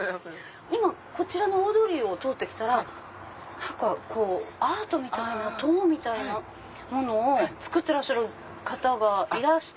今こちらの大通りを通ってきたらアートみたいな塔みたいなもの作ってらっしゃる方がいらして。